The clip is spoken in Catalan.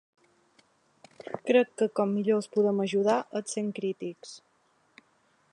Crec que com millor els podem ajudar és sent crítics.